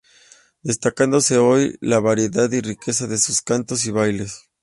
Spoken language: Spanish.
Destacándose hoy, la variedad y riqueza de sus cantos y bailes.